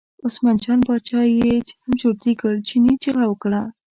عثمان جان باچا یې هم چرتي کړ، چیني چغه وکړه.